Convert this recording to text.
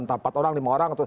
entah empat orang lima orang